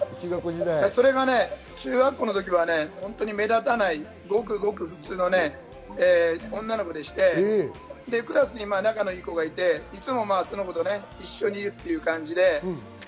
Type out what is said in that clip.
中学校の時は目立たないごくごく普通の女の子でして、クラスに仲のいい子がいて、いつもその子と一緒にいるという感じで。